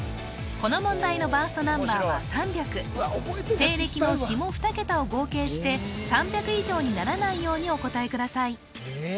この問題のバーストナンバーは３００西暦の下２桁を合計して３００以上にならないようにお答えくださいえ